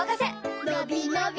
のびのび